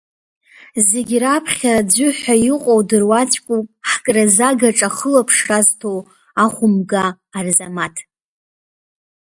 Зегьы раԥхьа аӡәы ҳәа иҟоу дыруаӡәкуп ҳкразы агаҿа ахылаԥшра азҭо, ахәмга, Арзамаҭ!